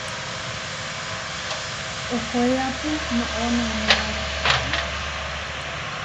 Ohoéapu noʼó noʼnóa pehi.